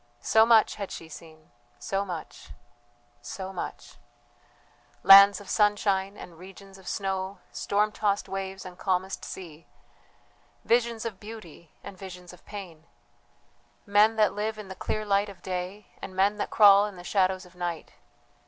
So much had she seen, so much ... so much: Lands of sunshine and regions of snow, storm tossed waves and calmest sea, visions of beauty and visions of pain; men that live in the clear light of day and men that crawl in the shadows of night.